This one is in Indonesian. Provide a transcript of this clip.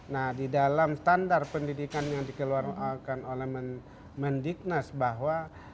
nah di dalam standar pendidikan yang dikeluarkan oleh mendiknas bahwa